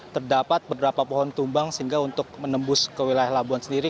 terdapat beberapa pohon tumbang sehingga untuk menembus ke wilayah labuan sendiri